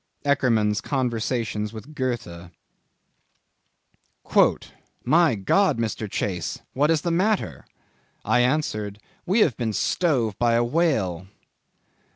—Eckermann's Conversations with Goethe. "My God! Mr. Chace, what is the matter?" I answered, "we have been stove by a whale."